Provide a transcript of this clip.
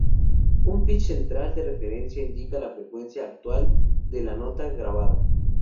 Un "pitch" central de referencia indica la frecuencia actual de la nota grabada.